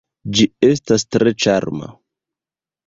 Ĝi estas tre ĉarma.